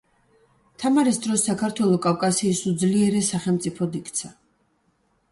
თამარის დროს საქართველო კავკასიის უძლიერეს სახელმწიფოდ იქცა.